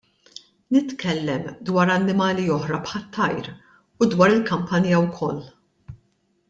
Nitkellem dwar annimali oħra bħat-tajr u dwar il-kampanja wkoll!